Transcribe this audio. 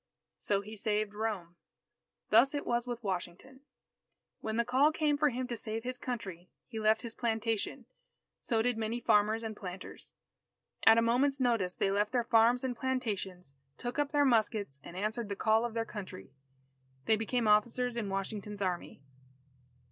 So he saved Rome. Thus it was with Washington. When the call came for him to save his Country, he left his plantation. So did many farmers and planters; at a moment's notice they left their farms and plantations, took up their muskets and answered the call of their Country. They became officers in Washington's Army.